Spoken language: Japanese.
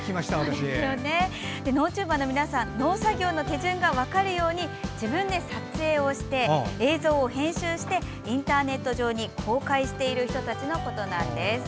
農チューバーの皆さん農作業の手順が分かるように自分で撮影をして映像を編集してインターネット上に公開している人たちなんです。